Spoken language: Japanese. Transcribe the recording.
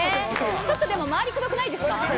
ちょっとでも回りくどくないですか？